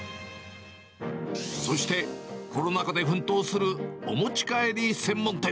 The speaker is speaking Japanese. そして、コロナ禍で奮闘するお持ち帰り専門店。